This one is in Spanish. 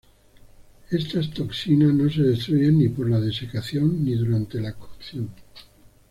Estas toxinas no se destruyen ni por la desecación, ni durante la cocción.